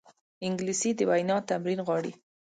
انګلیسي د وینا تمرین غواړي